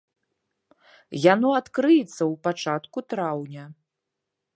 Яно адкрыецца ў пачатку траўня.